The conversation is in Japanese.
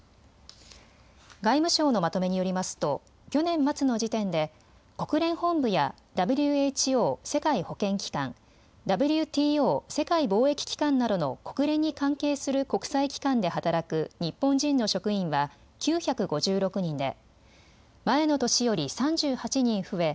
外務省のまとめによりますと去年末の時点で国連本部やＷＨＯ・世界保健機関、ＷＴＯ・世界貿易機関などの国連に関係する国際機関で働く日本人の職員は９５６人で前の年より３８人増え